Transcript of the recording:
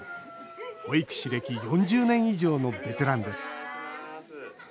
保育士歴４０年以上のベテランです。